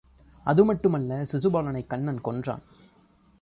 அதுமட்டு மல்ல சிசுபாலனைக் கண்ணன் கொன்றான்.